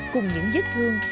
cùng những giết thương